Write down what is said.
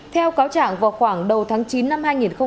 theo cáo trạng vào khoảng đầu tháng chín năm hai nghìn một mươi chín